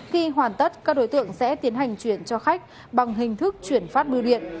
khi hoàn tất các đối tượng sẽ tiến hành chuyển cho khách bằng hình thức chuyển phát biêu điện